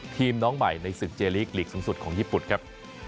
น้องใหม่ในศึกเจลีกลีกสูงสุดของญี่ปุ่นครับ